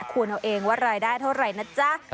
คุณเอาเองว่ารายได้เท่าไหร่นะจ๊ะ